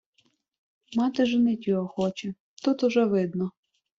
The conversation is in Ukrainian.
Мати женить його хоче, тут уже видно...